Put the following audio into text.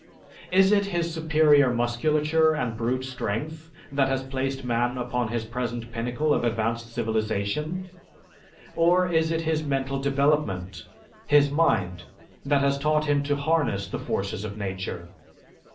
Is it his superior musculature and brute strength that has placed man upon his present pinnacle of advanced civilization, or is it his mental development, his mind, that has taught him to harness the forces of nature?